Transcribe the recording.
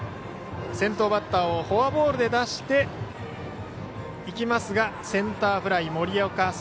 先頭バッターをフォアボールで出していきますがセンターフライ、森岡。